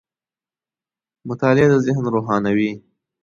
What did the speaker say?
• مطالعه د ذهن روښانوي.